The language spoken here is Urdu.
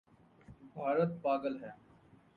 بھارت پاگل ہے